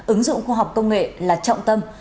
ứng dụng khoa học công nghệ là trọng tâm